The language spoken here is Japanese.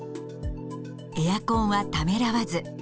エアコンはためらわず。